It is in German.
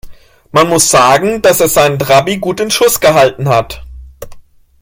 Man muss sagen, dass er seinen Trabi gut in Schuss gehalten hat.